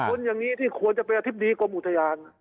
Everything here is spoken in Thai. คนอย่างนี้ที่ควรจะเป็นอธิบดีกรมอุทยาน